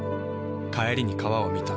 帰りに川を見た。